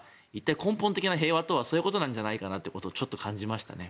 根本的な平和とはそういうことなんじゃないかとちょっと感じましたね。